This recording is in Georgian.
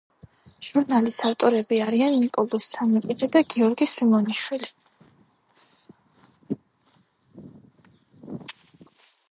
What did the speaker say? ჟურნალის ავტორები არიან ნიკოლოზ სანიკიძე და გიორგი სვიმონიშვილი.